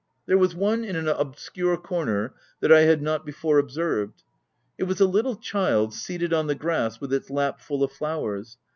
There was 'one in an obscure corner that I had not before observed. It was a little child, seated on the grass with its lap full of flowers.